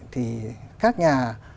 thì các nhà